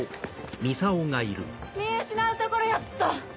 ・見失うところやった。